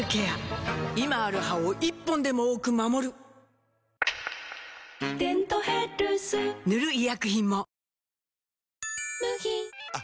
今ある歯を１本でも多く守る「デントヘルス」塗る医薬品も